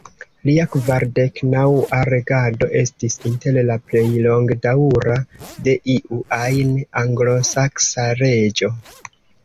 Lia kvardek-naŭa regado estis inter la plej longdaŭra de iu ajn anglosaksa reĝo.